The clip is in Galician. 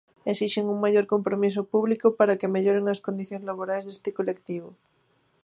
Esixen un maior compromiso público para que melloren as condicións laborais deste colectivo.